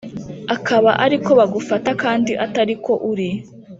Akaba ari ko bagufata kandi Atari ko uri